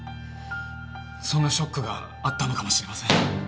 そんなショックがあったのかもしれません。